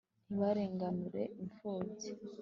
ntibarenganura imfubyi